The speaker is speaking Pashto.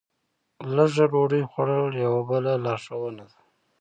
لږه ډوډۍ خوړل یوه بله لارښوونه ده.